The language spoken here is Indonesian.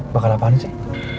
bakal apaan sih